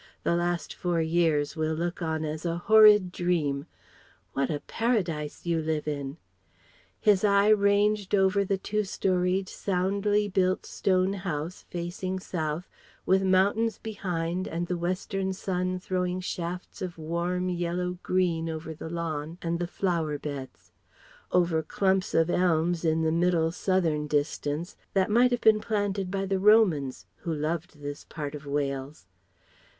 The last four years we'll look on as a horrid dream. What a paradise you live in." His eye ranged over the two storeyed, soundly built stone house facing south, with mountains behind and the western sun throwing shafts of warm yellow green over the lawn and the flower beds; over clumps of elms in the middle, southern distance, that might have been planted by the Romans (who loved this part of Wales).